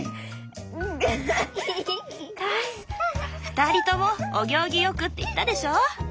ふたりともお行儀良くって言ったでしょ。